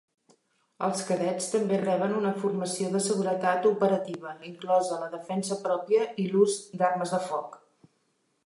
Els cadets també reben una formació de seguretat operativa, inclosa la defensa pròpia i l'ús d'armes de foc.